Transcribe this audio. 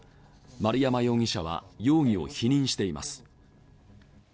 丸山容疑者は容疑を否認しています。